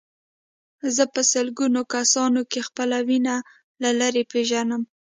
زه په سلګونه کسانو کې خپله وینه له لرې پېژنم.